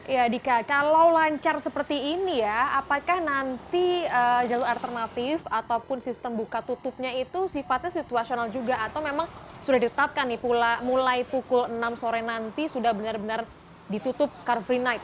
ya dika kalau lancar seperti ini ya apakah nanti jalur alternatif ataupun sistem buka tutupnya itu sifatnya situasional juga atau memang sudah ditetapkan mulai pukul enam sore nanti sudah benar benar ditutup car free night